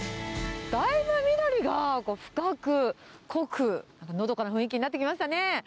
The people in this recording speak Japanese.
だいぶ緑が深く、濃く、のどかな雰囲気になってきましたね。